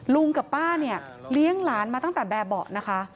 ลุงกับป้าเนี่ยเลี้ยงหลานมาตั้งแต่แบบเบาะนะคะ